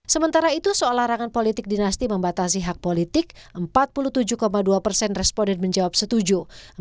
sementara itu soal larangan politik dinasti membatasi hak politik empat puluh tujuh dua persen responden menjawab setuju